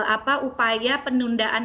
apa upaya penundaan